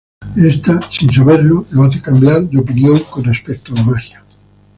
Ésta, sin saberlo, lo hace cambiar de opinión con respecto a la magia.